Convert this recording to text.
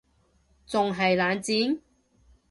仲係冷戰????？